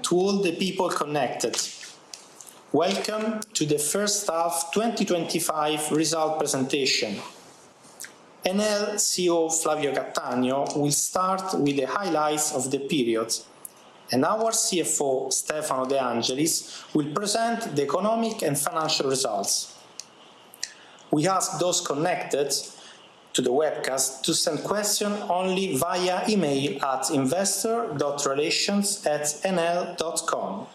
Good evening to all the people connected. Welcome to the first half 2025 results presentation. Enel CEO Flavio Cattaneo will start with the highlights of the period, and our CFO, Stefano De Angelis, will present the economic and financial results. We ask those connected to the webcast to send questions only via email at investor.relations@enel.com.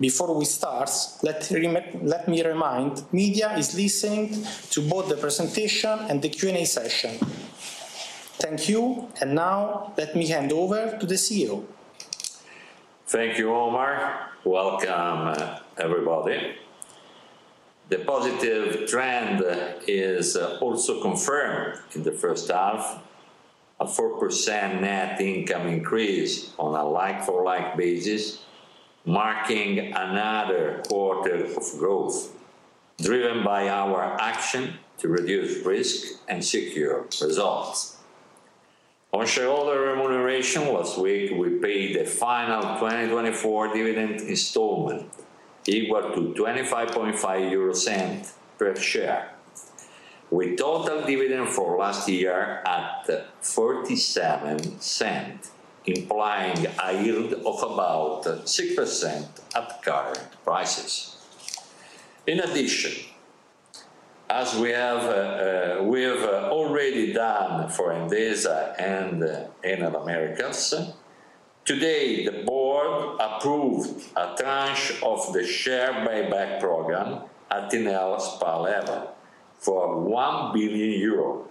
Before we start, let me remind you, media is listening to both the presentation and the Q&A session. Thank you, and now let me hand over to the CEO. Thank you, Omar. Welcome, everybody. The positive trend is also confirmed in the first half. A 4% net income increase on a like-for-like basis, marking another quarter of growth, driven by our action to reduce risk and secure results. On shareholder remuneration, last week we paid the final 2024 dividend installment, equal to 0.255 per share, with total dividend for last year atEUR 0.477, implying a yield of about 6% at current prices. In addition, as we have already done for Endesa and Enel Américas, today the board approved a tranche of the share buyback program at Enel's par level for 1 billion euro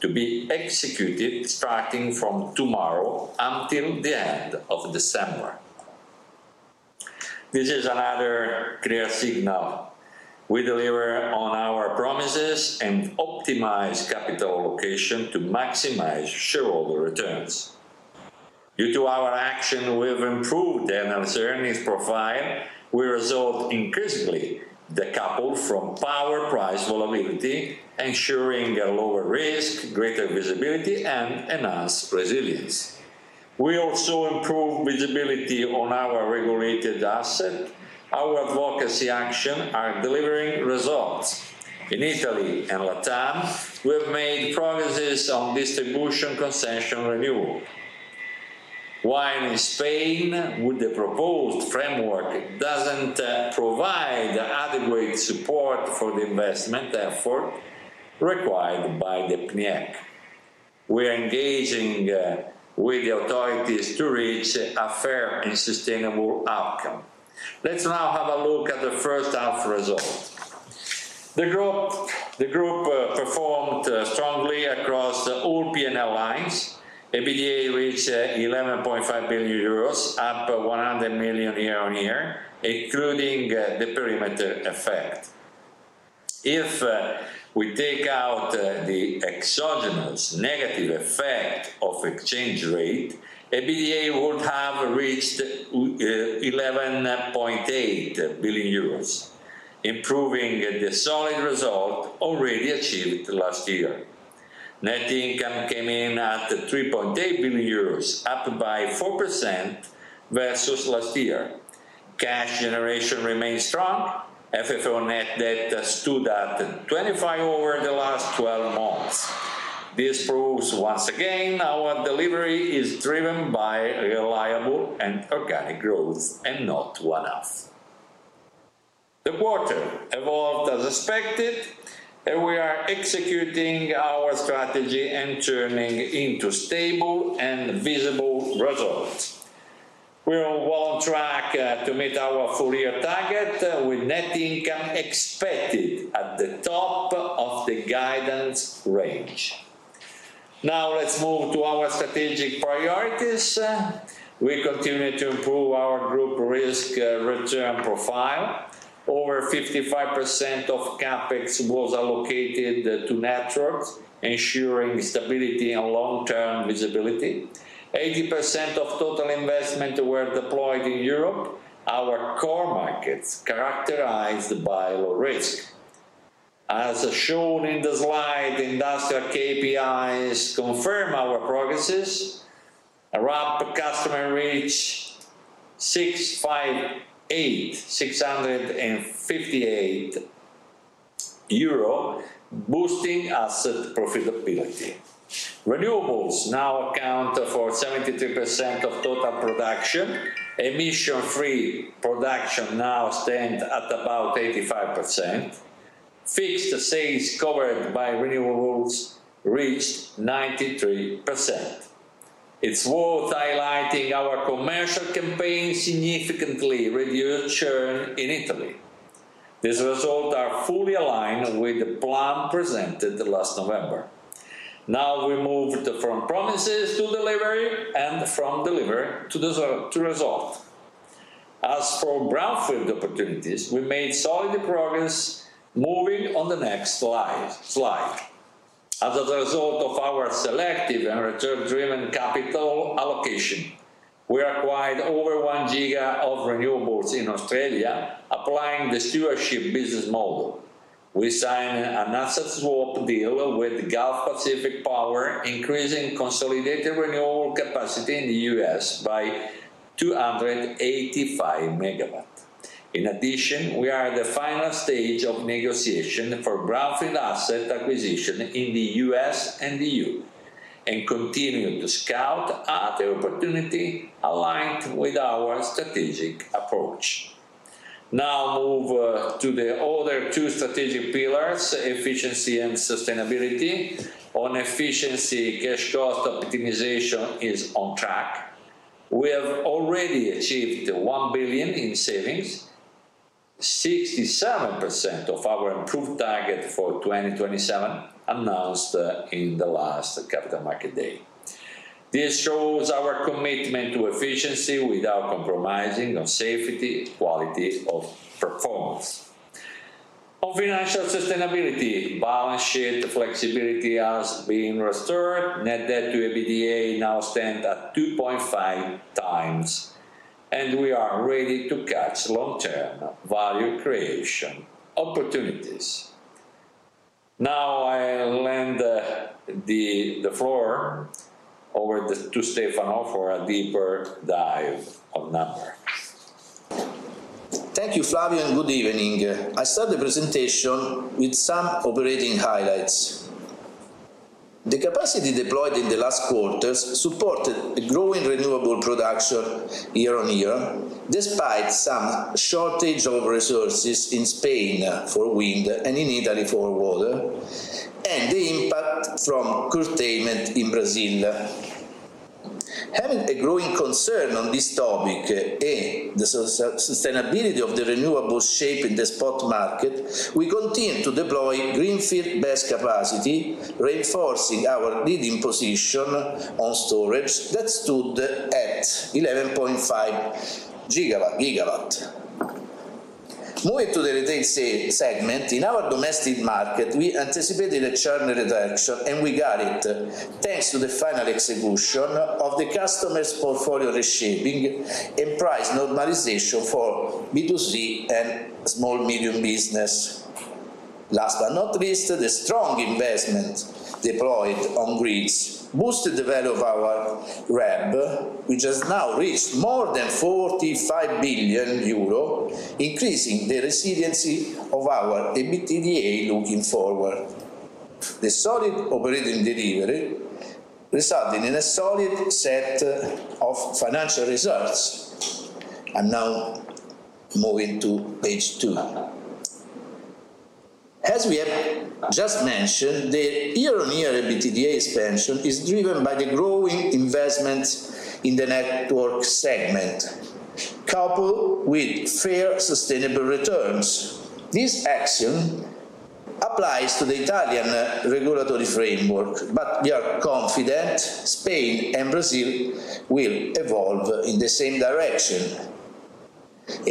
to be executed starting from tomorrow until the end of December. This is another clear signal we deliver on our promises and optimize capital allocation to maximize shareholder returns. Due to our action, we have improved Enel's earnings profile. We resolved increasingly the couple from power price volatility, ensuring a lower risk, greater visibility, and enhanced resilience. We also improved visibility on our regulated asset. Our advocacy actions are delivering results. In Italy and LATAM, we have made progress on distribution consent renewal, while in Spain, the proposed framework doesn't provide adequate support for the investment effort required by the PNIEC. We are engaging with the authorities to reach a fair and sustainable outcome. Let's now have a look at the first half result. The group performed strongly across all P&L lines. EBITDA reached 11.5 billion euros, up 100 million year-on-year, including the perimeter effect. If we take out the exogenous negative effect of exchange rate, EBITDA would have reached 11.8 billion euros, improving the solid result already achieved last year. Net income came in at 3.8 billion euros, up by 4% versus last year. Cash generation remained strong. FFO net debt stood at 25 over the last 12 months. This proves once again our delivery is driven by reliable and organic growth and not one-off. The quarter evolved as expected, and we are executing our strategy and turning into stable and visible results. We are well on track to meet our full year target with net income expected at the top of the guidance range. Now let's move to our strategic priorities. We continue to improve our group risk-return profile. Over 55% of CapEx was allocated to networks, ensuring stability and long-term visibility. 80% of total investment were deployed in Europe, our core markets characterized by low risk. As shown in the slide, industrial KPIs confirm our progresses. A RAB customer reached EUR 658,658, boosting asset profitability. Renewables now account for 73% of total production. Emission-free production now stands at about 85%. Fixed sales covered by renewables reached 93%. It's worth highlighting our commercial campaign significantly reduced churn in Italy. These results are fully aligned with the plan presented last November. Now we moved from promises to delivery and from delivery to result. As for brownfield opportunities, we made solid progress moving on the next slide. As a result of our selective and return-driven capital allocation, we acquired over 1 GW of renewables in Australia, applying the stewardship business model. We signed an asset swap deal with Gulf Pacific Power, increasing consolidated renewable capacity in the U.S. by 285 MW. In addition, we are at the final stage of negotiation for brownfield asset acquisition in the U.S. and EU and continue to scout other opportunities aligned with our strategic approach. Now move to the other two strategic pillars, efficiency and sustainability. On efficiency, cash cost optimization is on track. We have already achieved 1 billion in savings, 67% of our improved target for 2027 announced in the last Capital Market Day. This shows our commitment to efficiency without compromising on safety and quality of performance. On financial sustainability, balance sheet flexibility has been restored. Net debt to EBITDA now stands at 2.5x, and we are ready to catch long-term value creation opportunities. Now I'll lend the floor over to Stefano for a deeper dive of numbers. Thank you, Flavio, and good evening. I start the presentation with some operating highlights. The capacity deployed in the last quarters supported a growing renewable production year-on-year, despite some shortage of resources in Spain for wind and in Italy for water, and the impact from curtailment in Brazil. Having a growing concern on this topic and the sustainability of the renewables shape in the spot market, we continue to deploy greenfield-based capacity, reinforcing our leading position. On storage, that stood at 11.5 GW. Moving to the retail segment, in our domestic market, we anticipated a churn reduction, and we got it thanks to the final execution of the customer's portfolio reshaping and price normalization for B2C and small-medium business. Last but not least, the strong investment deployed on grids boosted the value of our RAB, which has now reached more than 45 billion, increasing the resiliency of our EBITDA looking forward. The solid operating delivery resulted in a solid set of financial results. I'm now moving to page II. As we have just mentioned, the year-on-year EBITDA expansion is driven by the growing investment in the network segment, coupled with fair sustainable returns. This action applies to the Italian regulatory framework, but we are confident Spain and Brazil will evolve in the same direction.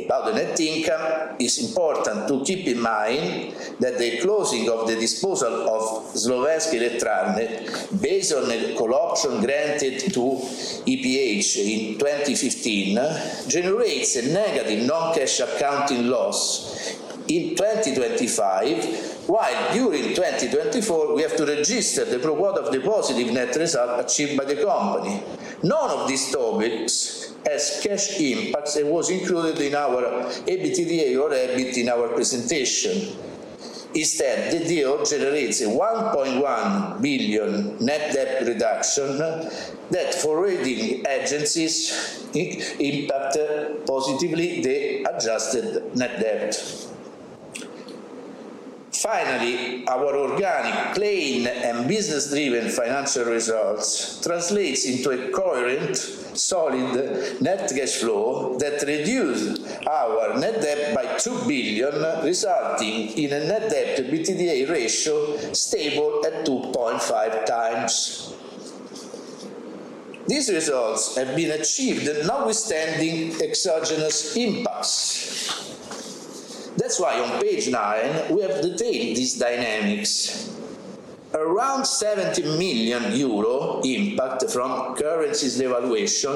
About the net income, it's important to keep in mind that the closing of the disposal of Zlohevsky Elektrane, based on a call option granted to EPH in 2015, generates a negative non-cash accounting loss in 2025. While during 2024 we have to register the pro quota of deposit in net result achieved by the company. None of these topics has cash impact and was included in our EBITDA or EBIT in our presentation. Instead, the deal generates a 1.1 million net debt reduction that, for rating agencies, impacted positively the adjusted net debt. Finally, our organic, clean, and business-driven financial results translate into a coherent, solid net cash flow that reduced our net debt by 2 billion, resulting in a net debt to EBITDA ratio stable at 2.5x. These results have been achieved, notwithstanding exogenous impacts. That's why on page IX, we have detailed these dynamics. Around 70 million euro impact from currencies devaluation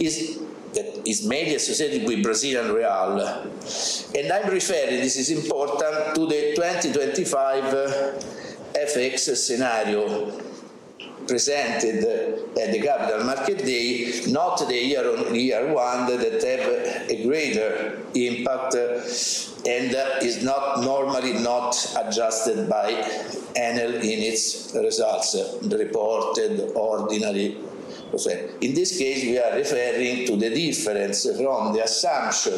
is mainly associated with Brazil R``eal. I'm referring, this is important, to the 2025 FX scenario presented at the capital market day, not the year-on-year one that has a greater impact. It is normally not adjusted by Enel in its results reported ordinarily. In this case, we are referring to the difference from the assumption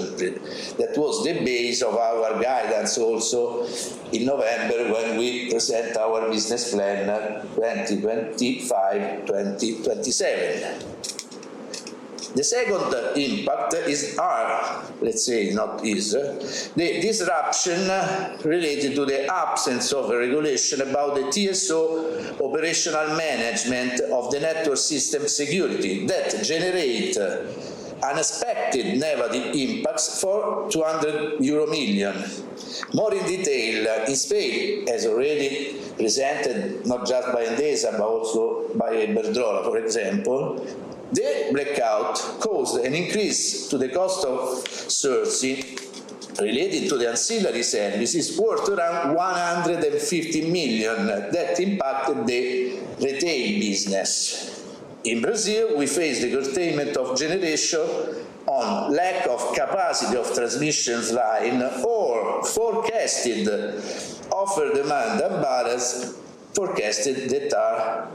that was the base of our guidance also in November when we present our business plan 2025-2027. The second impact is the disruption related to the absence of regulation about the TSO operational management of the network system security that generates unexpected negative impacts for 200 million euro. More in detail, in Spain, as already presented, not just by Endesa, but also by Iberdrola, for example, the blackout caused an increase to the cost of sourcing related to the ancillary services, worth around 150 million, that impacted the retail business. In Brazil, we faced the curtailment of generation on lack of capacity of transmission line or forecasted offer-demand and balance forecasted that are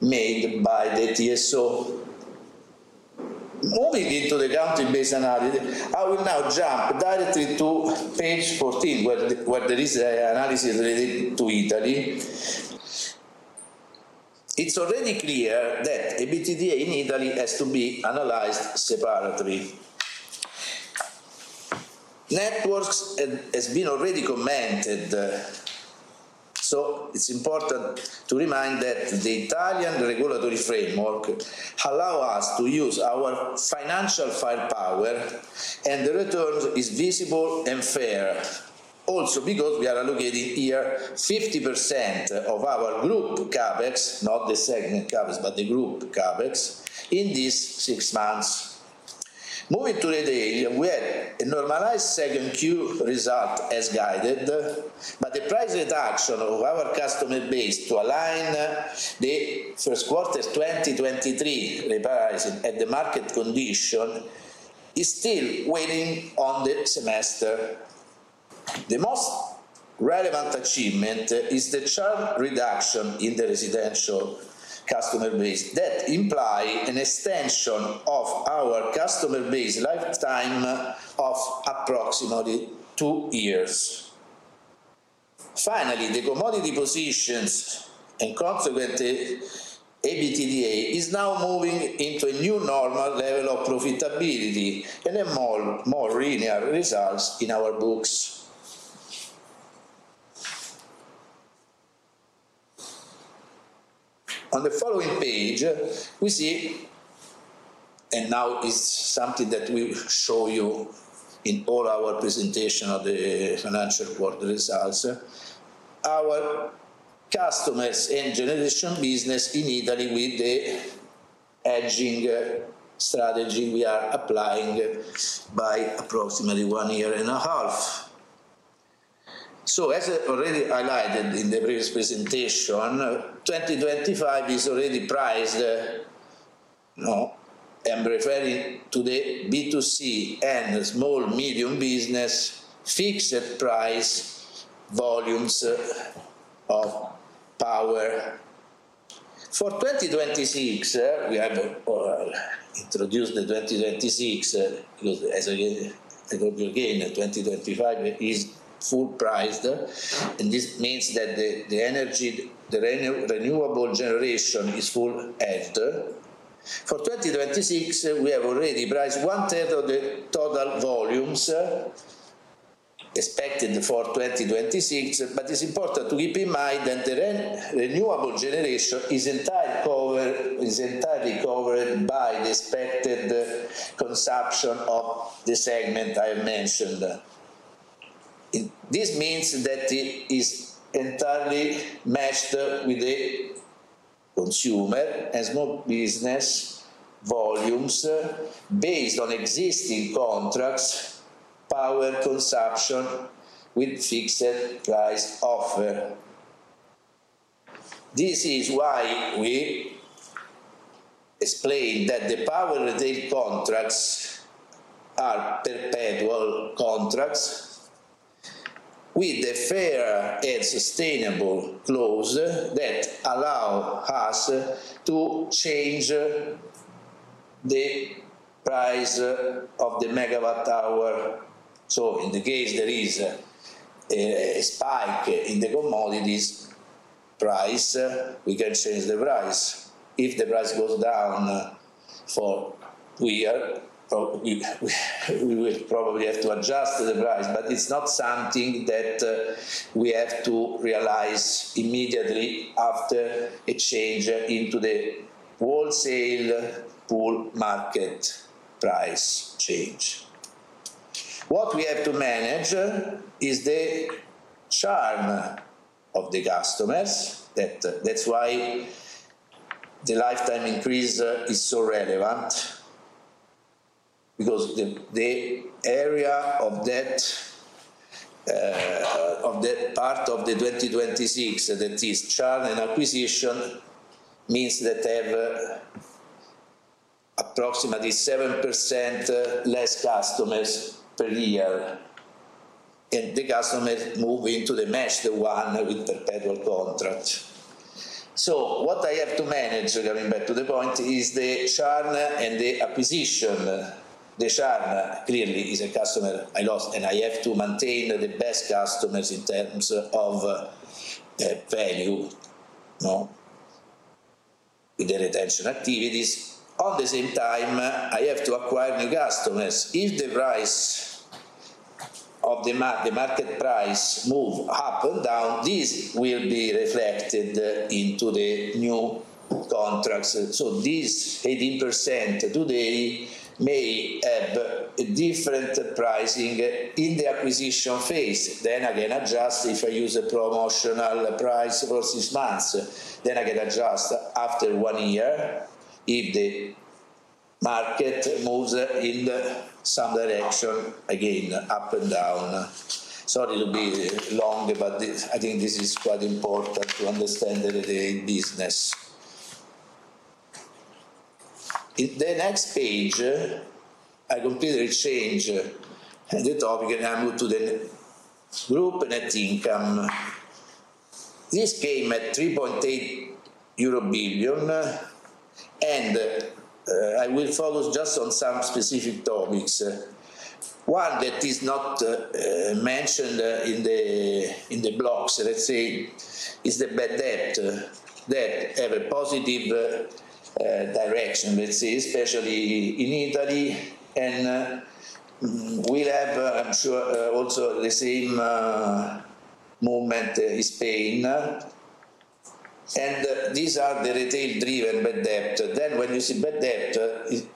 made by the TSO. Moving into the country-based analysis, I will now jump directly to page XIV, where there is an analysis related to Italy. It is already clear that EBITDA in Italy has to be analyzed separately. Networks have been already commented. It is important to remind that the Italian regulatory framework allows us to use our financial firepower, and the return is visible and fair, also because we are allocating here 50% of our group CapEx, not the segment CapEx, but the group CapEx in these six months. Moving to retail, we had a normalized 2Q result as guided, but the price reduction of our customer base to align the first quarter 2023 revising at the market condition is still waiting on the semester. The most relevant achievement is the churn reduction in the residential customer base that imply an extension of our customer base lifetime of approximately two years. Finally, the commodity positions and consequently EBITDA is now moving into a new normal level of profitability and a more linear result in our books. On the following page, we see, and now it is something that we show you in all our presentation of the financial quarter results, our customers and generation business in Italy with the hedging strategy we are applying by approximately one year and a half. As already highlighted in the previous presentation, 2025 is already priced. I am referring to the B2C and small-medium business fixed price volumes of power. For 2026, we have introduced the 2026 because, as I told you again, 2025 is full priced, and this means that the renewable generation is full aid. For 2026, we have already priced one-third of the total volumes expected for 2026, but it's important to keep in mind that the renewable generation is entirely covered by the expected consumption of the segment I mentioned. This means that it is entirely matched with the consumer and small business volumes based on existing contracts, power consumption with fixed price offer. This is why we explain that the power retail contracts are perpetual contracts with the fair and sustainable clause that allows us to change the price of the MW hour. In the case there is a spike in the commodities price, we can change the price. If the price goes down, we will probably have to adjust the price, but it's not something that we have to realize immediately after a change into the wholesale pool market price change. What we have to manage is the churn of the customers. That's why the lifetime increase is so relevant, because the area of that part of the 2026 that is churn and acquisition means that they have approximately 7% less customers per year, and the customers move into the match, the one with perpetual contract. What I have to manage, coming back to the point, is the churn and the acquisition. The churn clearly is a customer I lost, and I have to maintain the best customers in terms of value with the retention activities. At the same time, I have to acquire new customers. If the price of the market price moves up and down, this will be reflected into the new contracts. This 18% today may have a different pricing in the acquisition phase. I can adjust if I use a promotional price for six months. I can adjust after one year if the market moves in some direction again, up and down. Sorry to be long, but I think this is quite important to understand the retail business. In the next page, I completely change the topic, and I move to the group net income. This came at 3.8 billion euro. I will focus just on some specific topics. One that is not mentioned in the blocks, let's say, is the bad debt that has a positive direction, let's say, especially in Italy. We have, I'm sure, also the same movement in Spain, and these are the retail-driven bad debt. When you see bad debt,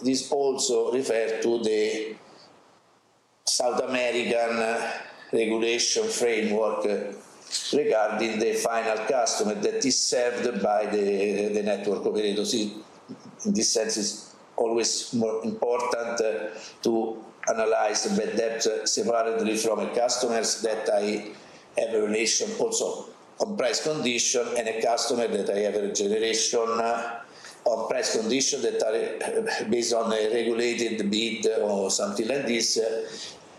this also refers to the South American regulation framework regarding the final customer that is served by the network operators. In this sense, it's always more important to analyze bad debt separately from customers that I have a relation also on price condition and a customer that I have a generation. On price condition that are based on a regulated bid or something like this.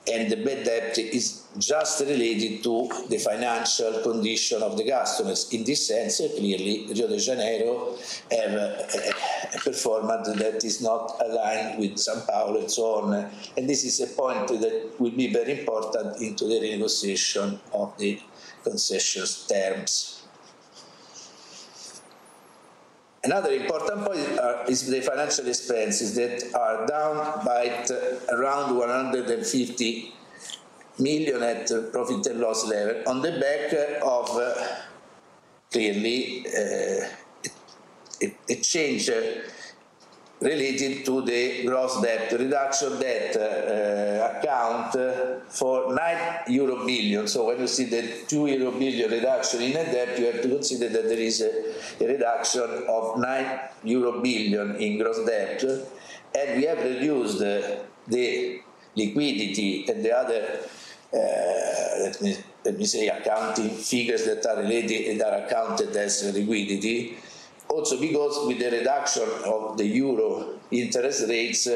The bad debt is just related to the financial condition of the customers. In this sense, clearly, Rio de Janeiro has a performance that is not aligned with São Paulo and so on. This is a point that will be very important into the renegotiation of the concession terms. Another important point is the financial expenses that are down by around 150 million at profit and loss level on the back of, clearly, a change related to the gross debt reduction. Debt account for 9 billion euro. When you see the 2 billion euro reduction in net debt, you have to consider that there is a reduction of 9 billion euro in gross debt. We have reduced the liquidity and the other, let me say, accounting figures that are related and are accounted as liquidity. Also, because with the reduction of the euro interest rates,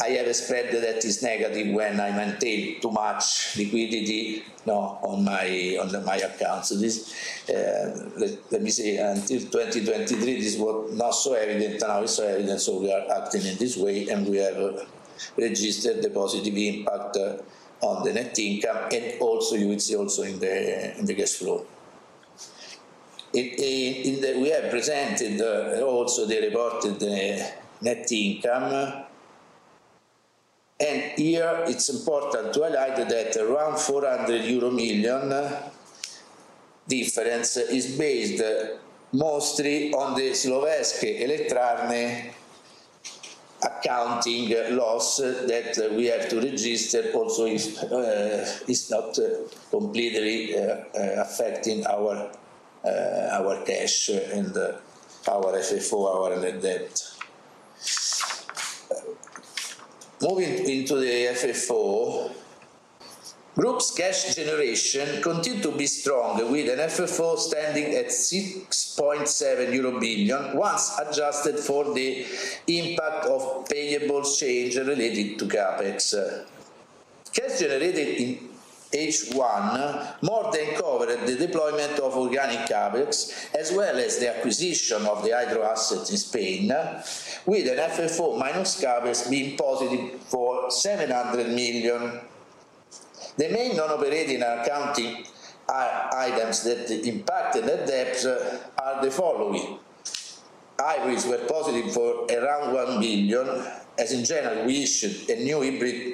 I have a spread that is negative when I maintain too much liquidity on my accounts. Let me say, until 2023, this was not so evident. Now it's so evident, we are acting in this way, and we have registered the positive impact on the net income and also you would see also in the cash flow. We have presented also the reported net income. Here, it's important to highlight that around 400 million euro difference is based mostly on the Slovenské Elektrárne accounting loss that we have to register also. If it's not completely affecting our cash and our FFO, our net debt. Moving into the FFO, Group's cash generation continued to be strong with an FFO standing at 6.7 billion euro, once adjusted for the impact of payable change related to CapEx. Cash generated in H1 more than covered the deployment of organic CapEx as well as the acquisition of the hydro assets in Spain, with an FFO minus CapEx being positive for 700 million. The main non-operating accounting items that impacted the debt are the following. Hybrids were positive for around 1 billion, as in general, we issued a new hybrid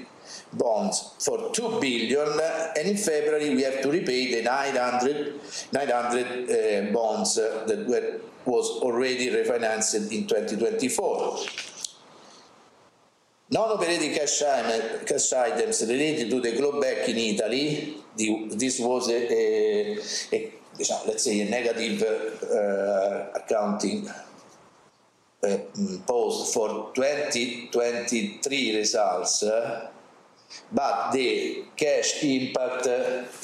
bond for 2 billion, and in February, we had to repay the 900 million bonds that were already refinanced in 2024. Non-operating cash items related to the Globe Bank in Italy. This was, let's say, a negative accounting pause for 2023 results. The cash impact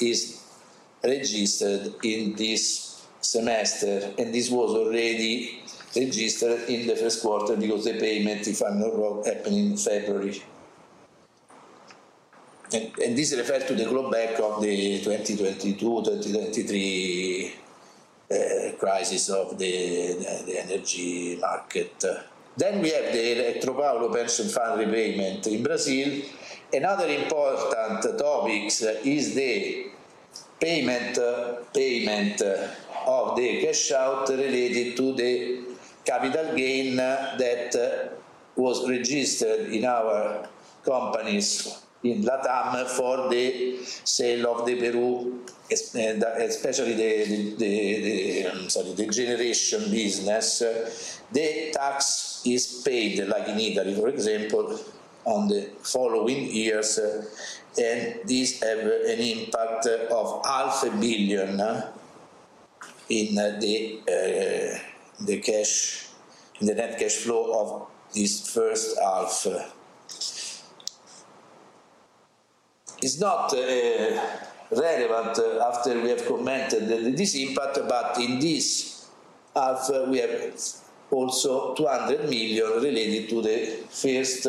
is. Registered in this semester, and this was already registered in the first quarter because the payment, if I'm not wrong, happened in February. This refers to the global bank of the 2022, 2023 crisis of the energy market. We have the Eletropaulo pension fund repayment in Brazil. Another important topic is the payment of the cash out related to the capital gain that was registered in our companies in LATAM for the sale of the Peru, especially the generation business. The tax is paid like in Italy, for example, on the following years, and these have an impact of 0.5 billion in the net cash flow of this first half. It's not relevant after we have commented this impact, but in this half, we have also 200 million related to the first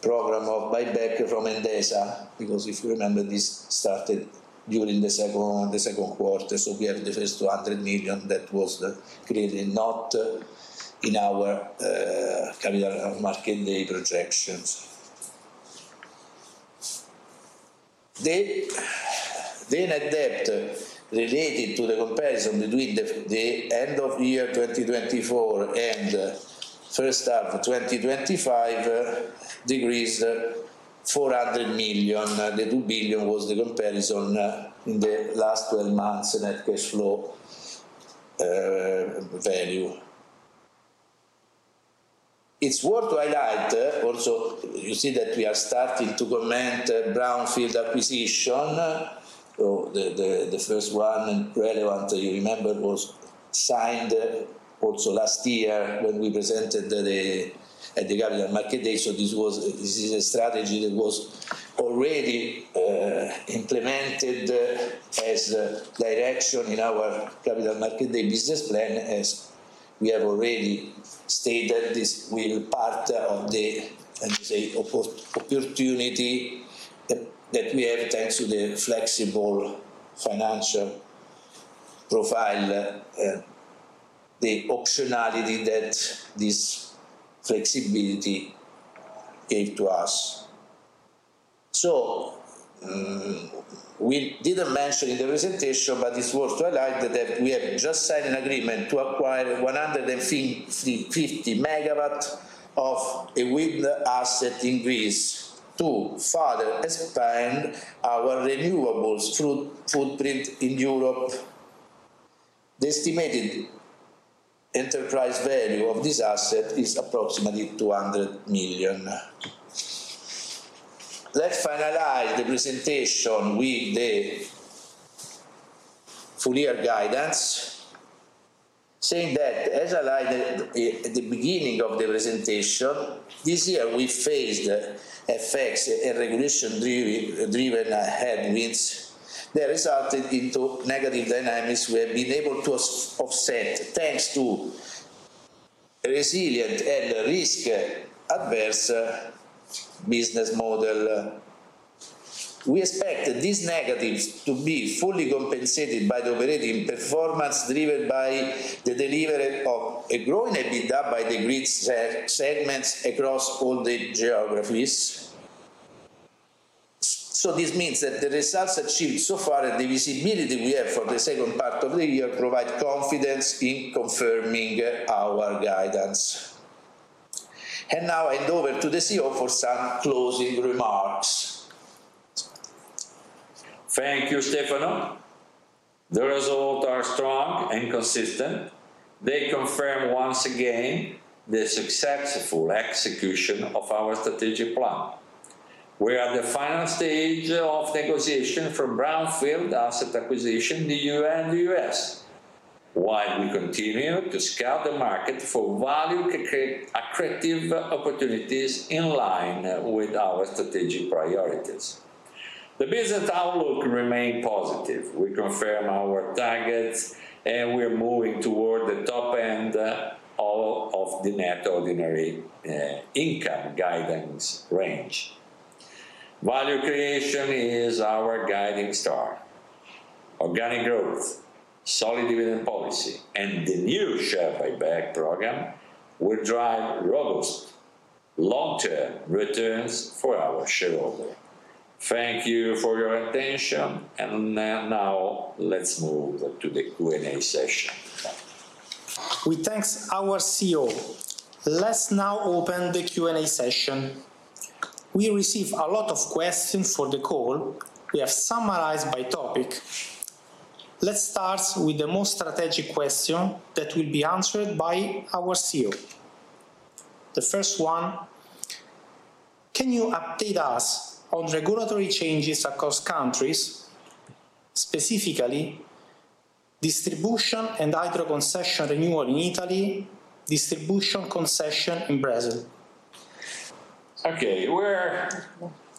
program of buyback from Endesa because, if you remember, this started during the second quarter. We have the first 200 million that was created, not in our Capital Market Day projections. The net debt related to the comparison between the end of year 2024 and first half of 2025 decreased 400 million. The 2 billion was the comparison in the last 12 months net cash flow value. It's worth to highlight also, you see that we are starting to comment brownfield acquisition. The first one relevant, you remember, was signed also last year when we presented at the Capital Market Day. This is a strategy that was already implemented as direction in our Capital Market Day business plan, as we have already stated, this will be part of the opportunity that we have thanks to the flexible financial profile. The optionality that this flexibility gave to us. We didn't mention in the presentation, but it's worth to highlight that we have just signed an agreement to acquire 150 MW of a wind asset in Greece to further expand our renewables footprint in Europe. The estimated enterprise value of this asset is approximately 200 million. Let's finalize the presentation with the full-year guidance. Saying that, as I laid at the beginning of the presentation, this year we faced FX and regulation-driven headwinds that resulted in negative dynamics we have been able to offset thanks to resilient and risk-averse business model. We expect these negatives to be fully compensated by the operating performance driven by the delivery of a growing EBITDA by the Greek segments across all the geographies. This means that the results achieved so far and the visibility we have for the second part of the year provide confidence in confirming our guidance. I hand over to the CEO for some closing remarks. Thank you, Stefano. The results are strong and consistent. They confirm once again the successful execution of our strategic plan. We are at the final stage of negotiation for brownfield asset acquisition in the EU and the U.S. While we continue to scout the market for value-accretive opportunities in line with our strategic priorities, the business outlook remains positive. We confirm our targets and we are moving toward the top end of the net ordinary income guidance range. Value creation is our guiding star. Organic growth, solid dividend policy, and the new share buyback program will drive robust long-term returns for our shareholders. Thank you for your attention. Now let's move to the Q&A session. We thank our CEO. Let's now open the Q&A session. We received a lot of questions for the call. We have summarized by topic. Let's start with the most strategic question that will be answered by our CEO. The first one, can you update us on regulatory changes across countries, specifically distribution and hydro concession renewal in Italy, distribution concession in Brazil? Okay. We're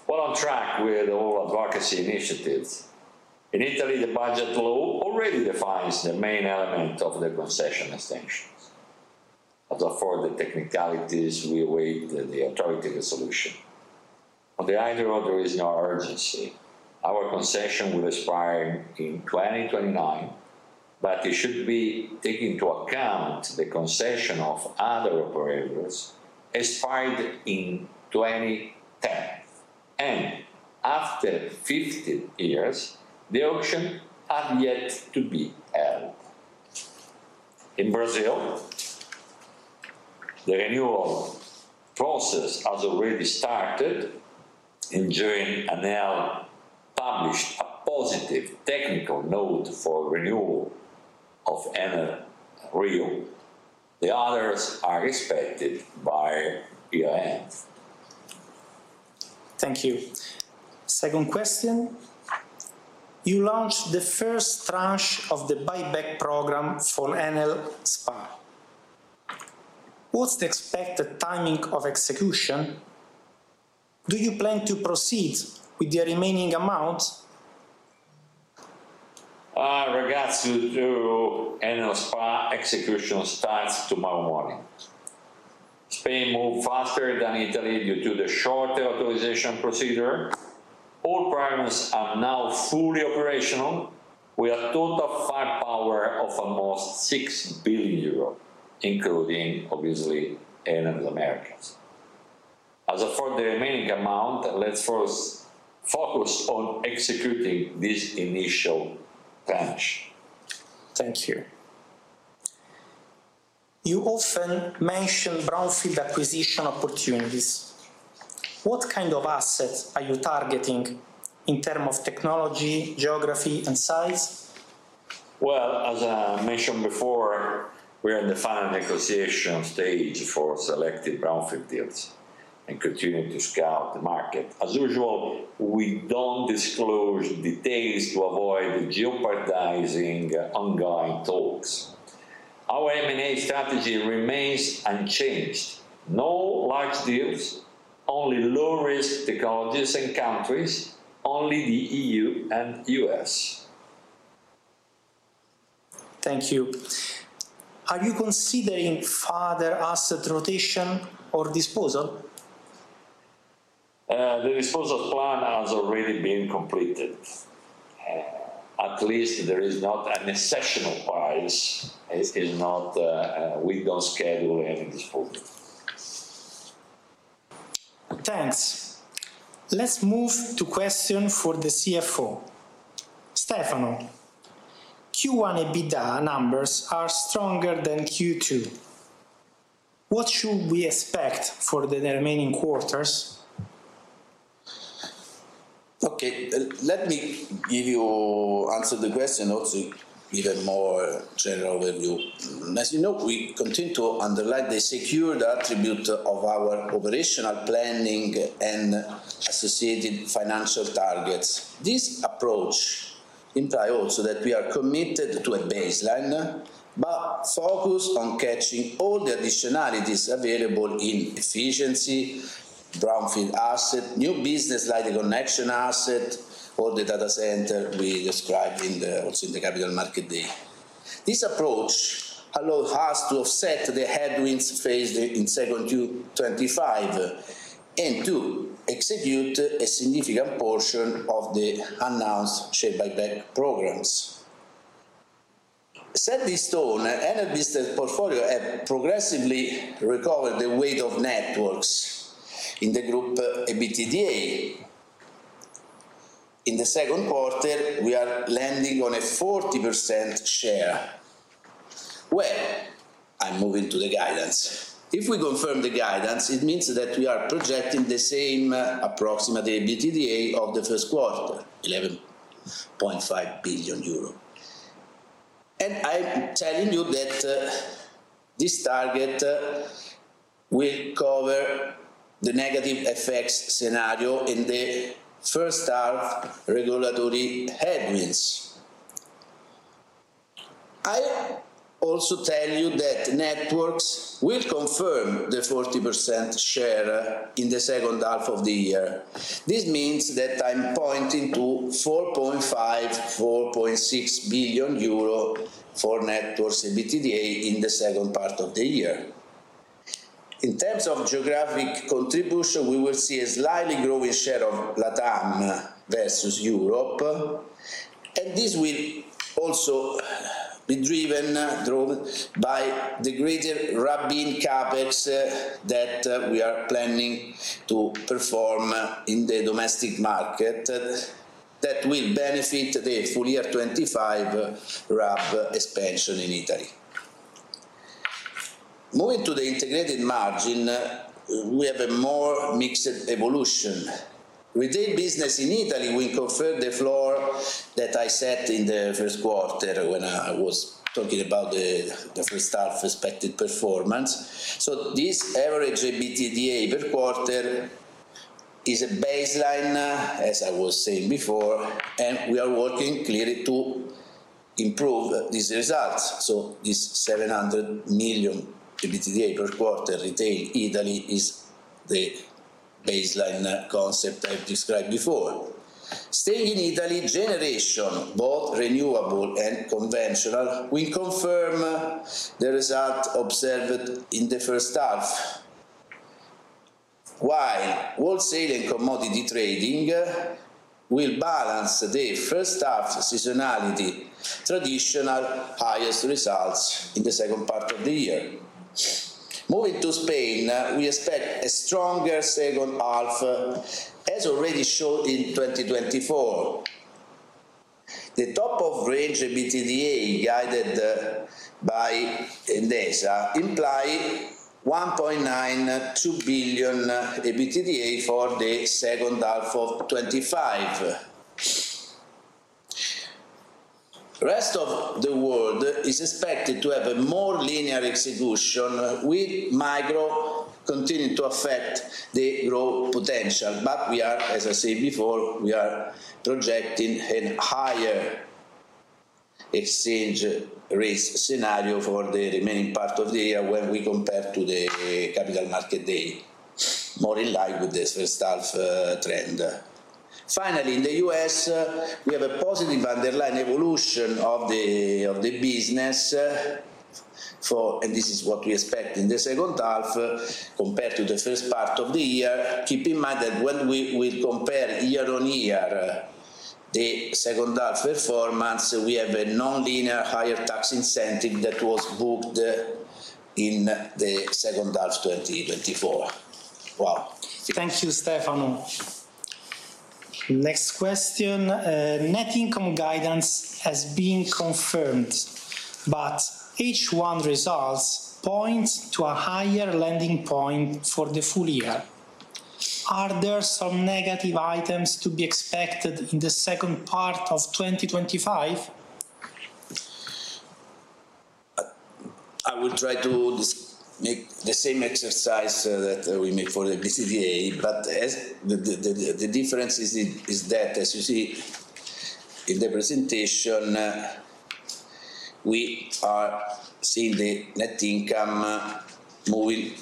well on track with all advocacy initiatives. In Italy, the budget law already defines the main element of the concession extensions. As for the technicalities, we await the authority resolution. On the either or, there is no urgency. Our concession will expire in 2029, but it should be taken into account the concession of other operators expired in 2010. After 15 years, the auction has yet to be held. In Brazil, the renewal process has already started, and GM and EL published a positive technical note for renewal of Enel Rio. The others are expected by year-end. Thank you. Second question. You launched the first tranche of the buyback program for Enel S.p.A. What's the expected timing of execution? Do you plan to proceed with the remaining amount? Regards to Enel S.p.A., execution starts tomorrow morning. Spain moved faster than Italy due to the shorter authorization procedure. All programs are now fully operational with a total firepower of almost 6 billion euros, including, obviously, Enel Américas. As for the remaining amount, let's first focus on executing this initial tranche. Thank you. You often mentioned brownfield acquisition opportunities. What kind of assets are you targeting in terms of technology, geography, and size? As I mentioned before, we are in the final negotiation stage for selected brownfield deals and continuing to scout the market. As usual, we don't disclose details to avoid jeopardizing ongoing talks. Our M&A strategy remains unchanged. No large deals, only low-risk technologies and countries, only the EU and U.S. Thank you. Are you considering further asset rotation or disposal? The disposal plan has already been completed. At least there is not an exceptional price. It is not. We don't schedule any disposal. Thanks. Let's move to questions for the CFO, Stefano. Q1 EBITDA numbers are stronger than Q2. What should we expect for the remaining quarters? Okay. Let me give you answer the question also even more generally. As you know, we continue to underline the secured attribute of our operational planning and associated financial targets. This approach implies also that we are committed to a baseline, but focused on catching all the additionalities available in efficiency, brownfield asset, new business like the connection asset, or the data center we described in the Capital Market Day. This approach allows us to offset the headwinds faced in Q2 2025 and to execute a significant portion of the announced share buyback programs. Set this tone, Enel Business Portfolio has progressively recovered the weight of networks in the group EBITDA. In the second quarter, we are landing on a 40% share. I am moving to the guidance. If we confirm the guidance, it means that we are projecting the same approximate EBITDA of the first quarter, 11.5 billion euro. I am telling you that this target will cover the negative effects scenario in the first half regulatory headwinds. I also tell you that networks will confirm the 40% share in the second half of the year. This means that I am pointing to 4.5, 4.6 billion euro for networks' EBITDA in the second part of the year. In terms of geographic contribution, we will see a slightly growing share of LATAM versus Europe. This will also be driven by the greater RAB in CapEx that we are planning to perform in the domestic market. That will benefit the full year 2025 RAB expansion in Italy. Moving to the integrated margin, we have a more mixed evolution. Retail business in Italy will confer the floor that I set in the first quarter when I was talking about the first half expected performance. This average EBITDA per quarter is a baseline, as I was saying before, and we are working clearly to improve these results. This 700 million EBITDA per quarter retail in Italy is the baseline concept I've described before. Staying in Italy, generation, both renewable and conventional, will confirm the result observed in the first half. While wholesale and commodity trading will balance the first half seasonality, traditional highest results in the second part of the year. Moving to Spain, we expect a stronger second half, as already shown in 2024. The top of range EBITDA guided by Endesa implies 1.9, 2 billion EBITDA for the second half of 2025. The rest of the world is expected to have a more linear execution with micro continuing to affect the growth potential. As I said before, we are projecting a higher exchange rate scenario for the remaining part of the year when we compare to the Capital Market Day, more in line with the first half trend. Finally, in the U.S., we have a positive underlying evolution of the business. This is what we expect in the second half compared to the first part of the year. Keep in mind that when we compare year-on-year, the second half performance has a non-linear higher tax incentive that was booked in the second half 2024. Wow. Thank you, Stefano. Next question. Net income guidance has been confirmed, but H1 results point to a higher landing point for the full year. Are there some negative items to be expected in the second part of 2025? I will try to make the same exercise that we made for the EBITDA, but the difference is that, as you see in the presentation, we are seeing the net income moving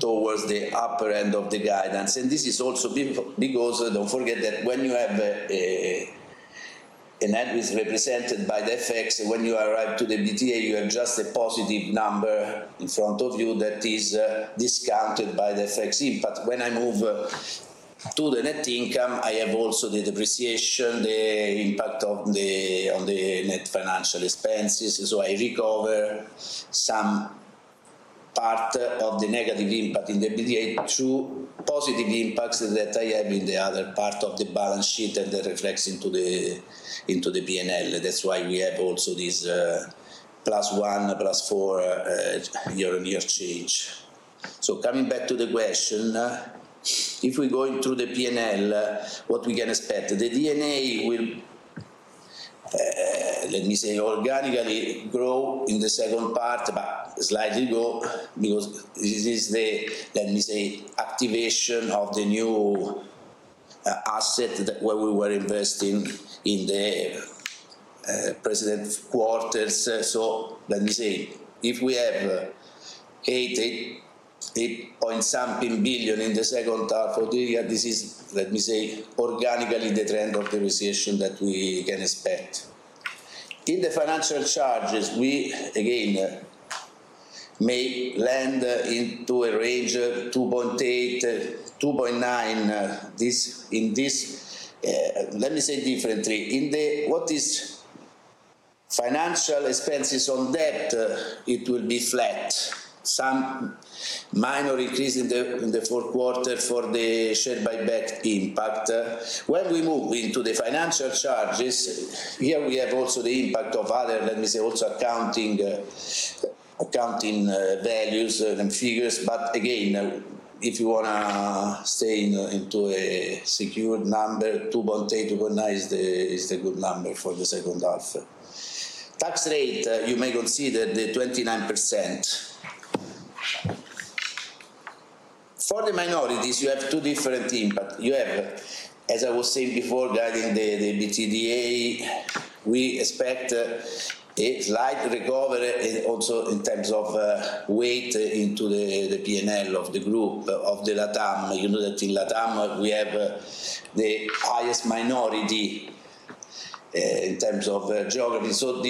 towards the upper end of the guidance. This is also because don't forget that when you have an Enel business represented by the FX, when you arrive to the EBITDA, you have just a positive number in front of you that is discounted by the FX impact. When I move to the net income, I have also the depreciation, the impact on the net financial expenses. I recover some part of the negative impact in the EBITDA to positive impacts that I have in the other part of the balance sheet that reflects into the P&L. That's why we have also this plus one, plus four year-on-year change. Coming back to the question, if we go through the P&L, what we can expect, the DNA will, let me say, organically grow in the second part, but slightly grow because this is the, let me say, activation of the new asset where we were investing in the precedent quarters. Let me say, if we have 8.8 billion in the second half of the year, this is, let me say, organically the trend of depreciation that we can expect. In the financial charges, we, again, may land into a range of 2.8-2.9. In this, let me say differently, in what is financial expenses on debt, it will be flat. Some minor increase in the fourth quarter for the share buyback impact. When we move into the financial charges, here we have also the impact of other, let me say, also accounting values and figures. Again, if you want to stay into a secured number, 2.8-2.9 is the good number for the second half. Tax rate, you may consider the 29%. For the minorities, you have two different impacts. You have, as I was saying before, guiding the EBITDA. We expect a slight recovery also in terms of weight into the P&L of the group of the LATAM. You know that in LATAM, we have the highest minority in terms of geography. This will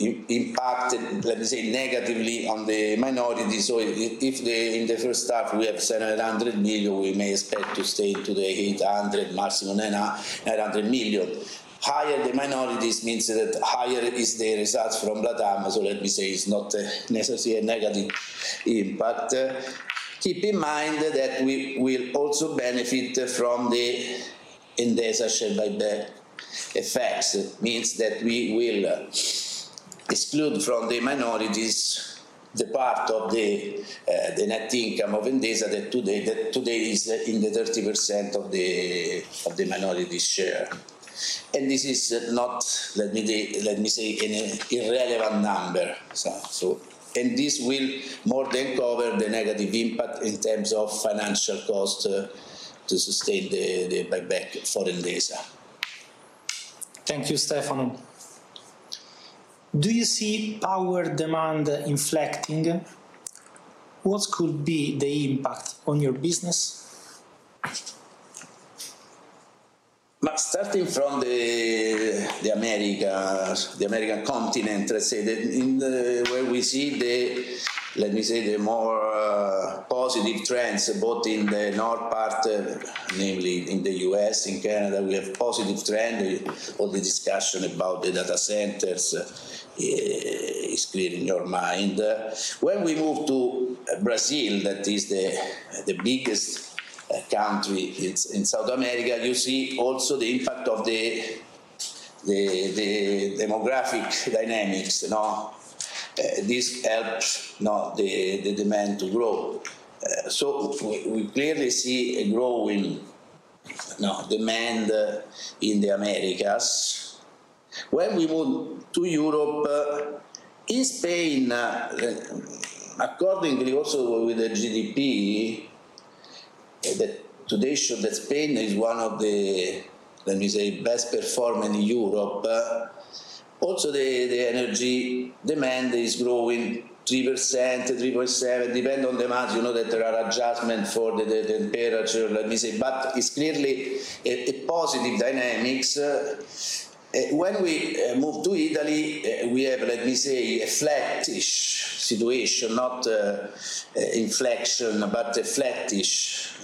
impact, let me say, negatively on the minorities. If in the first half we have 700 million, we may expect to stay into the 800, maximum 900 million. Higher the minorities means that higher is the results from LATAM. Let me say it's not necessarily a negative impact. Keep in mind that we will also benefit from the Endesa share buyback effects. It means that we will exclude from the minorities the part of the net income of Endesa that today is in the 30% of the minorities share. This is not, let me say, an irrelevant number. This will more than cover the negative impact in terms of financial cost to sustain the buyback for Endesa. Thank you, Stefano. Do you see power demand inflecting? What could be the impact on your business? Starting from the American continent, let's say, where we see the, let me say, the more positive trends both in the north part, namely in the U.S., in Canada, we have a positive trend. All the discussion about the data centers is clear in your mind. When we move to Brazil, that is the biggest country in South America, you see also the impact of the demographic dynamics. This helps the demand to grow. We clearly see a growing demand in the Americas. When we move to Europe, in Spain, accordingly also with the GDP, today showed that Spain is one of the, let me say, best performing in Europe. Also, the energy demand is growing 3%-3.7%. Depending on the month, you know that there are adjustments for the temperature, let me say, but it's clearly a positive dynamic. When we move to Italy, we have, let me say, a flattish situation, not inflation, but a flattish.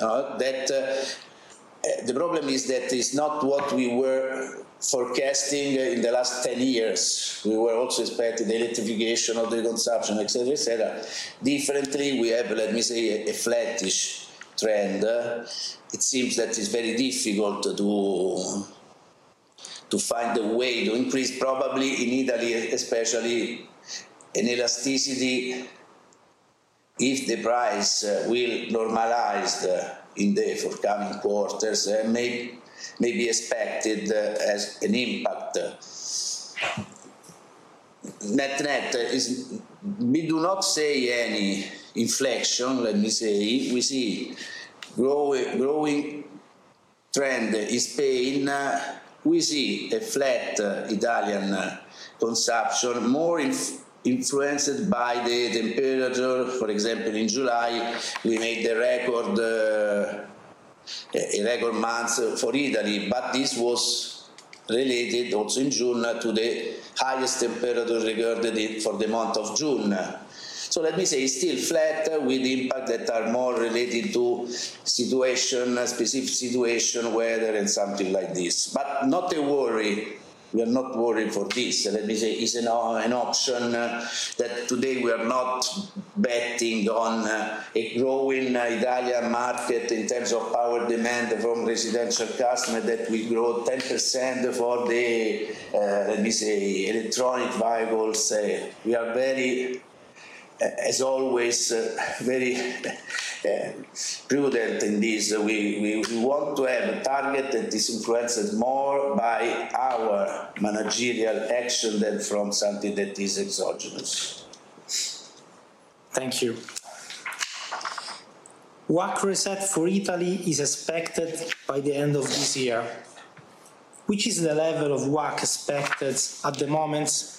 The problem is that it's not what we were forecasting in the last 10 years. We were also expecting the electrification of the consumption, etc., etc. Differently, we have, let me say, a flattish trend. It seems that it's very difficult to find a way to increase, probably in Italy especially, an elasticity. If the price will normalize in the forecasting quarters may be expected as an impact. Net net, we do not see any inflection, let me say. We see a growing trend in Spain. We see a flat Italian consumption, more influenced by the temperature. For example, in July, we made the record month for Italy, but this was related also in June to the highest temperature recorded for the month of June. Let me say it's still flat with impact that are more related to situation, specific situation, weather, and something like this. Not a worry. We are not worried for this. Let me say it's an option that today we are not betting on a growing Italian market in terms of power demand from residential customers that will grow 10% for the, let me say, electronic vehicles. We are very, as always, very prudent in this. We want to have a target that is influenced more by our managerial action than from something that is exogenous. Thank you. WACC reset for Italy is expected by the end of this year. Which is the level of WACC expected at the moment?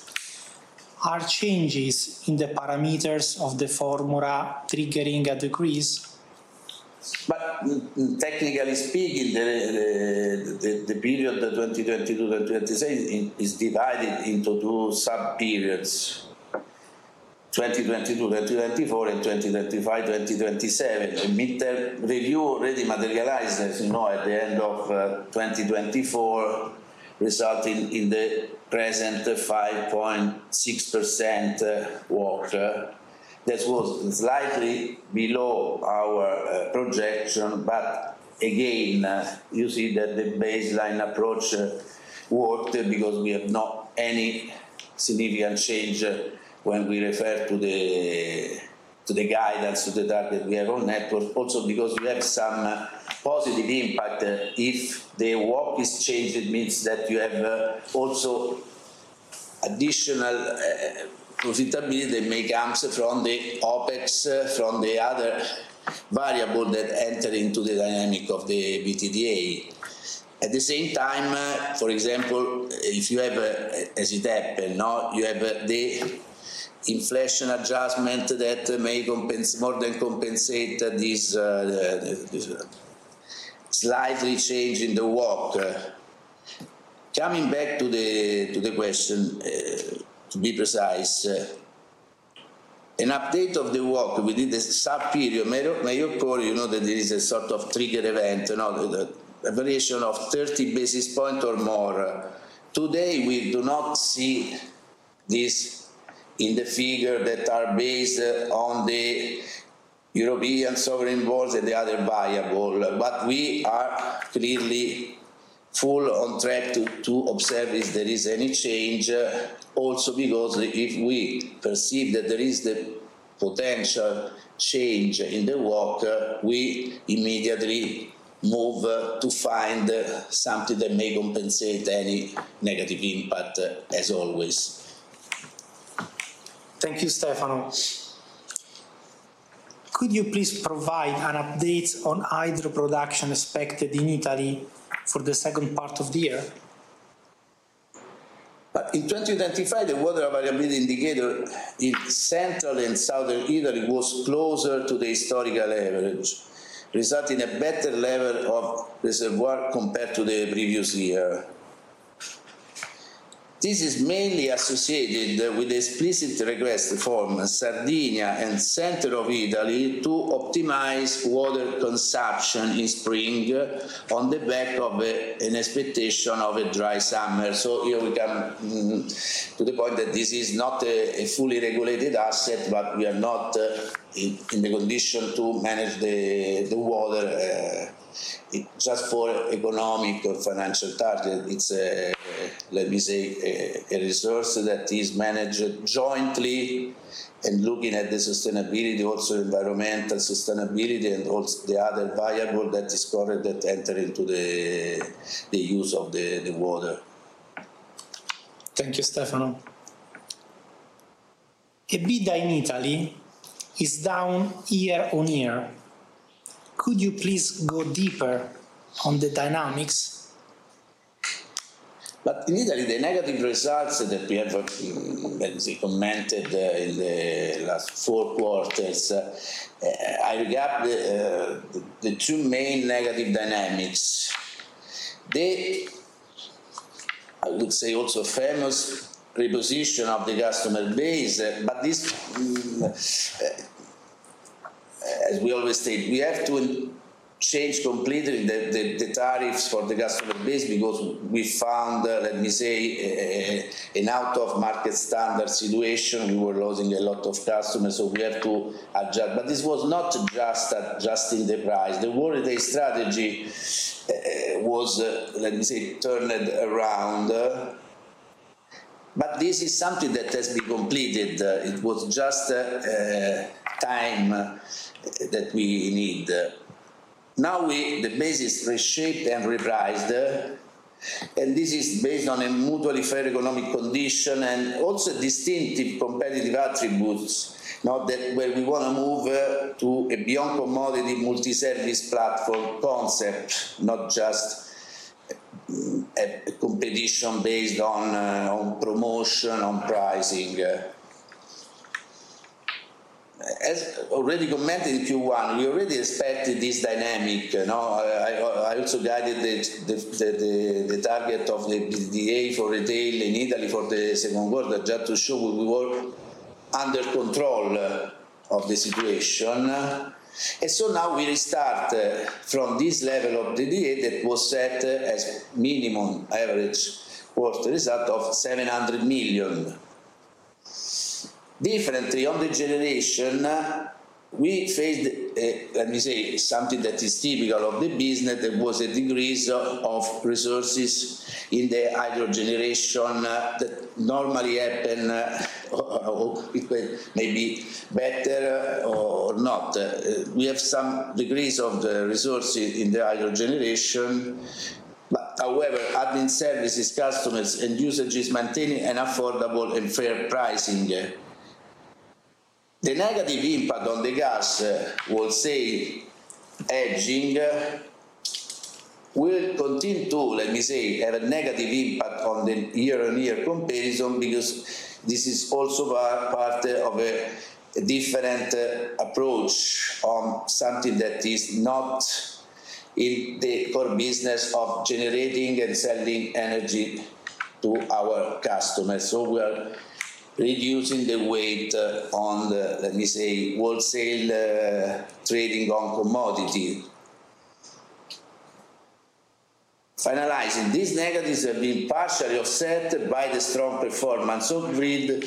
Are changes in the parameters of the formula triggering a decrease? Technically speaking, the period 2022-2027 is divided into two sub-periods: 2022-2024 and 2025-2027. Mid-term review already materialized at the end of 2024, resulting in the present 5.6%. That was slightly below our projection, but again, you see that the baseline approach worked because we have not any significant change when we refer to the guidance, to the target we have on network. Also, because we have some positive impact. If the work is changed, it means that you have also additional profitability that may come from the OpEx, from the other variables that enter into the dynamic of the EBITDA. At the same time, for example, if you have, as it happened, you have the inflation adjustment that may more than compensate this slightly change in the work. Coming back to the question, to be precise, an update of the work within the sub-period, Mayor Cori, noted that there is a sort of trigger event, a variation of 30 basis points or more. Today, we do not see this in the figure that are based on the European sovereign bonds and the other variables. We are clearly full on track to observe if there is any change. Also, because if we perceive that there is the potential change in the work, we immediately move to find something that may compensate any negative impact, as always. Thank you, Stefano. Could you please provide an update on hydro production expected in Italy for the second part of the year? In 2025, the water availability indicator in central and southern Italy was closer to the historical average, resulting in a better level of reservoir compared to the previous year. This is mainly associated with the explicit request from Sardinia and central Italy to optimize water consumption in spring on the back of an expectation of a dry summer. To the point that this is not a fully regulated asset, but we are not in the condition to manage the water just for economic or financial target. It's, let me say, a resource that is managed jointly and looking at the sustainability, also environmental sustainability, and also the other variables that is correct that enter into the use of the water. Thank you, Stefano. EBITDA in Italy is down year-on-year. Could you please go deeper on the dynamics? In Italy, the negative results that we have, let's say, commented in the last four quarters, I got. The two main negative dynamics. I would say, also famous reposition of the customer base. As we always state, we have to change completely the tariffs for the customer base because we found, let me say, an out-of-market standard situation. We were losing a lot of customers. We have to adjust. This was not just adjusting the price. The warranty strategy was, let me say, turned around. This is something that has been completed. It was just time that we need. Now the base is reshaped and repriced, and this is based on a mutually fair economic condition and also distinctive competitive attributes. We want to move to a beyond commodity multi-service platform concept, not just a competition based on promotion, on pricing. As already commented, if you want, we already expected this dynamic. I also guided the target of the EBITDA for retail in Italy for the second quarter, just to show we were under control of the situation. Now we restart from this level of EBITDA that was set as minimum average quarter result of 700 million. Differently, on the generation, we faced, let me say, something that is typical of the business. There was a decrease of resources in the hydro generation that normally happen. May be better or not. We have some decrease of the resources in the hydro generation. However, having services, customers, and users maintaining an affordable and fair pricing. The negative impact on the gas, we'll say, hedging, will continue to, let me say, have a negative impact on the year-on-year comparison because this is also part of a different approach on something that is not in the core business of generating and selling energy to our customers. We are reducing the weight on, let me say, wholesale trading on commodity. Finalizing, these negatives have been partially offset by the strong performance of grid,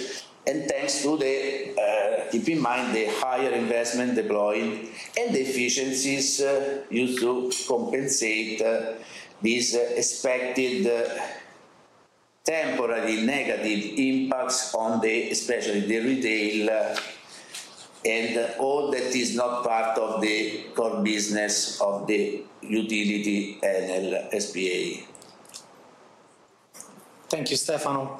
and thanks to the, keep in mind, the higher investment deployed and the efficiencies used to compensate these expected temporary negative impacts on especially the retail and all that is not part of the core business of the utility Enel S.p.A. Thank you, Stefano.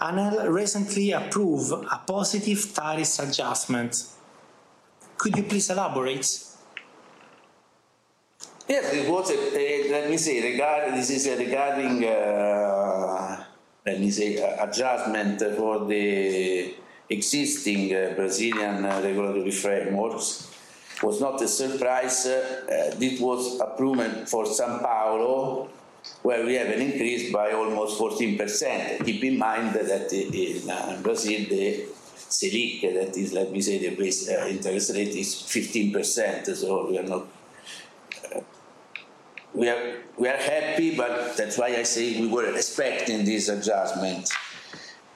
Enel recently approved a positive tariff adjustment. Could you please elaborate? Yes, it was, let me say, this is regarding adjustment for the existing Brazilian regulatory frameworks. It was not a surprise. It was approved for São Paulo, where we have an increase by almost 14%. Keep in mind that in Brazil, the Selic, that is, let me say, the base interest rate, is 15%. We are not happy, but that's why I say we were expecting this adjustment.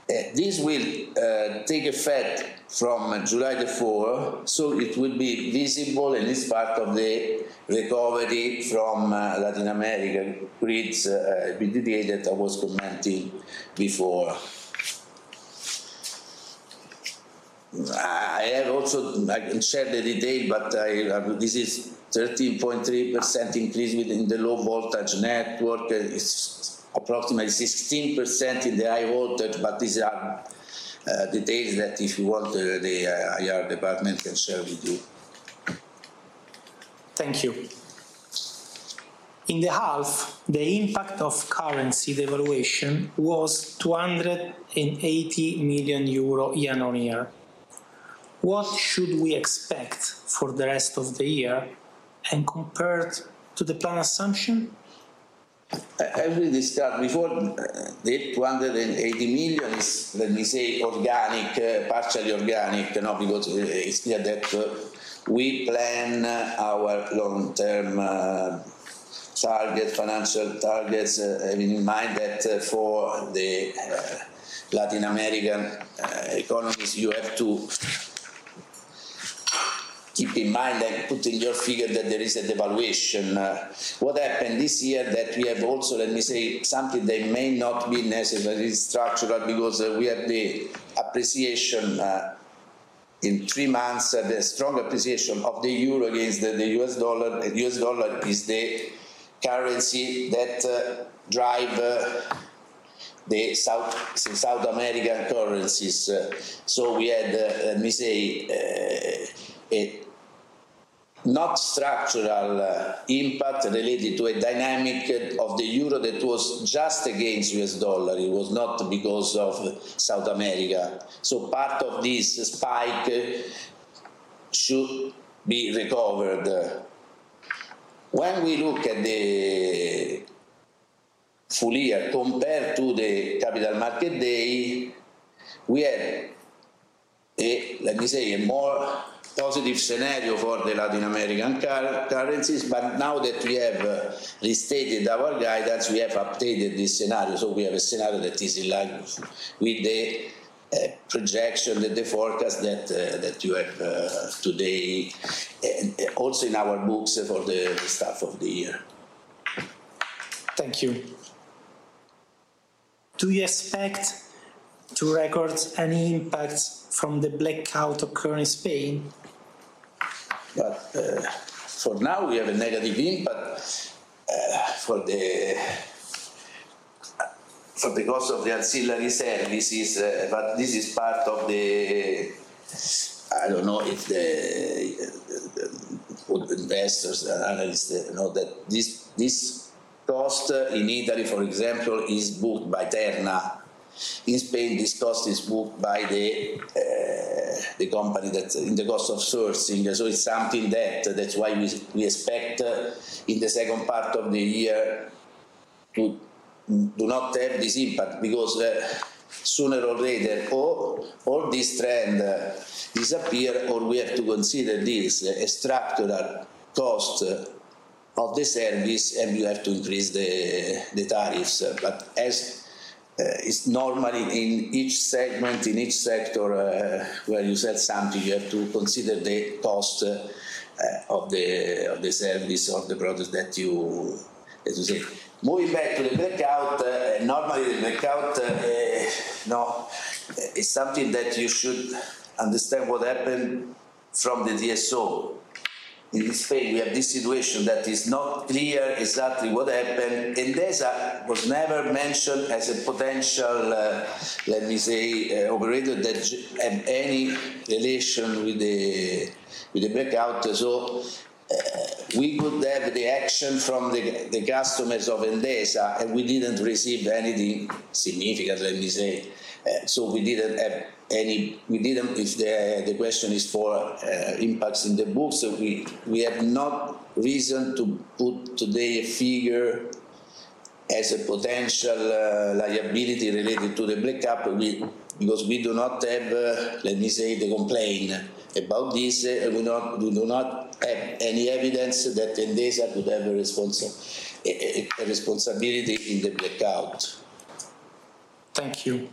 This will take effect from July 4th. It will be visible and it's part of the recovery from Latin America grids EBITDA that I was commenting before. I can also share the detail, but this is a 13.3% increase within the low voltage network. It's approximately 16% in the high voltage. These are details that, if you want, the IR department can share with you. Thank you. In the half, the impact of currency devaluation was 280 million euro year-on-year. What should we expect for the rest of the year and compared to the plan assumption? As we discussed before, the 280 million is, let me say, organic, partially organic, because it's clear that we plan our long-term target financial targets, having in mind that for the Latin American economies, you have to keep in mind and put in your figure that there is a devaluation. What happened this year is that we have also, let me say, something that may not be necessarily structural because we have the appreciation. In three months, the strong appreciation of the euro against the U.S. dollar. The U.S. dollar is the currency that drives the South American currencies. We had, let me say, a not structural impact related to a dynamic of the euro that was just against U.S. dollar. It was not because of South America. Part of this spike should be recovered when we look at the full year compared to the capital market day. We had, let me say, a more positive scenario for the Latin American currencies. Now that we have restated our guidance, we have updated this scenario. We have a scenario that is in line with the projection that the forecast that you have today, also in our books for the start of the year. Thank you. Do you expect to record any impact from the blackout occurring in Spain? For now, we have a negative impact for the cost of the auxiliary services. This is part of the—I don't know if the investors and analysts know that this cost in Italy, for example, is booked by Terna. In Spain, this cost is booked by the company that's in the cost of sourcing. That's why we expect in the second part of the year to not have this impact because sooner or later, either this trend disappears or we have to consider this structural cost of the service, and we have to increase the tariffs. As is normally in each segment, in each sector where you sell something, you have to consider the cost of the service or the product. Moving back to the blackout, normally the blackout is something that you should understand what happened from the DSO. In Spain, we have this situation that is not clear exactly what happened. Endesa was never mentioned as a potential operator that had any relation with the blackout. We could have the action from the customers of Endesa, and we didn't receive anything significant, let me say. We didn't have any—the question is for impacts in the books. We have not reason to put today a figure as a potential liability related to the blackout because we do not have, let me say, the complaint about this. We do not have any evidence that Endesa could have a responsibility in the blackout. Thank you.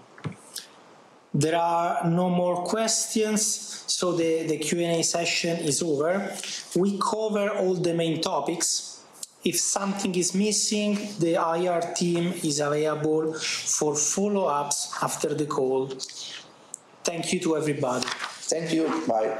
There are no more questions. The Q&A session is over. We covered all the main topics. If something is missing, the IR team is available for follow-ups after the call. Thank you to everybody. Thank you. Bye.